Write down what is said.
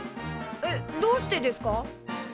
えっどうしてですか？